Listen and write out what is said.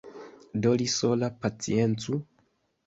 Do li sola paciencu!